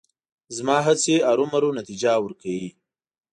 زما هڅې ارومرو نتیجه ورکوي.